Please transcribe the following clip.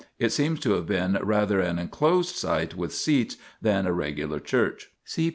It seems to have been rather an enclosed site with seats than a regular church (see p.